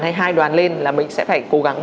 hay hai đoàn lên là mình sẽ phải cố gắng